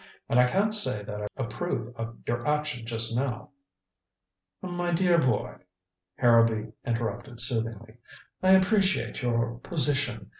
And I can't say that I approve of your action just now " "My dear boy," Harrowby interrupted soothingly, "I appreciate your position.